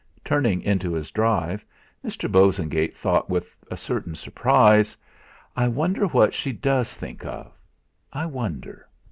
Turning into his drive, Mr. Bosengate thought with a certain surprise: '. wonder what she does think of! I wonder!'